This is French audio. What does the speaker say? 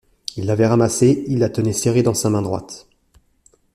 Il l’avait ramassée, il la tenait serrée dans sa main droite.